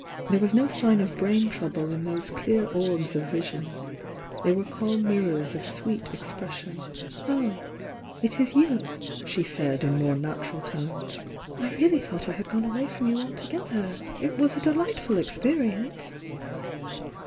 There was no sign of brain trouble in those clear orbs of vision — they were calm mirrors of sweet expression. "Oh, it is you!" she said in more natural tones. ■'I really thought I had gone away from you alto gether! It was a delightful experience!"